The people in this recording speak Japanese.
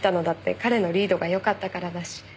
彼のリードがよかったからだし。